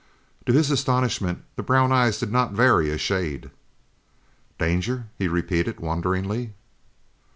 To his astonishment the brown eyes did not vary a shade. "Danger?" he repeated wonderingly.